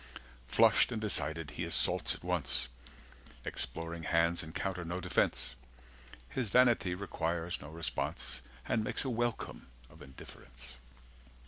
Flushed and decided, he assaults at once; Exploring hands encounter no defence; 240 His vanity requires no response, And makes a welcome of indifference.